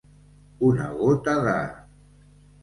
Una gota de.